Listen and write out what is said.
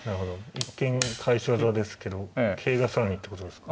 一見返し技ですけど桂が更にってことですか。